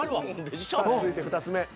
続いて２つ目。